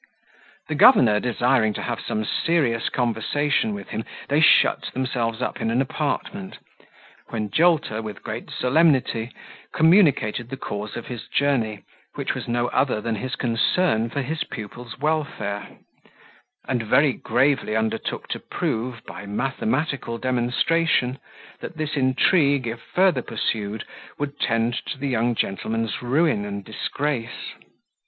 The governor desiring to have some serious conversation with him, they shut themselves up in an apartment, when Jolter, with great solemnity, communicated the cause of his journey, which was no other than his concern for his pupil's welfare; and very gravely undertook to prove, by mathematical demonstration, that this intrigue, if further pursued, would tend to the young gentleman's ruin and disgrace.